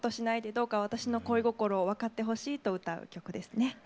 どうか私の恋心を分かってほしい」と歌う曲ですね。